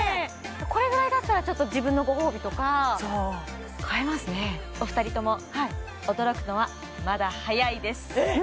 これぐらいだったらちょっと自分のご褒美とか買えますねお二人とも驚くのはまだ早いですえっ？